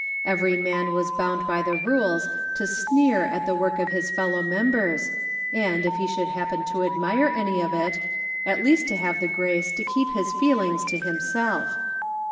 Every man was bound by the rules to sneer at the work of his fellow members and, if he should happen to admire any of it, at least to have the grace to keep his feelings to himself.